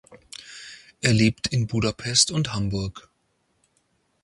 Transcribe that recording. Er lebt in Budapest und Hamburg.